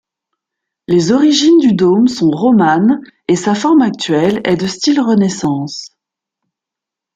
Les origines du dôme sont romanes et sa forme actuelle est de style renaissance.